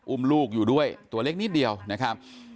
อุ้มลูกอยู่ด้วยตัวเล็กนิดเดียวนะครับ